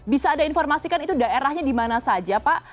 bisa ada informasi kan itu daerahnya di mana saja pak